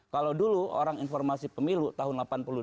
kalau dulu orang informasi pemilu tahun seribu sembilan ratus delapan puluh dua